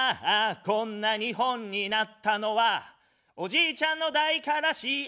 こんな日本になったのは、おじいちゃんの代からＣＩＡ。